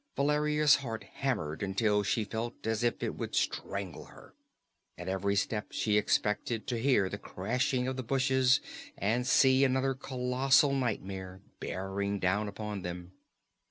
Valeria's heart hammered until she felt as if it would strangle her. At every step she expected to hear the crashing of the bushes and see another colossal nightmare bearing down upon them.